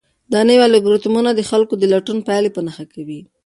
دا نوي الګوریتمونه د خلکو د لټون پایلې په نښه کوي.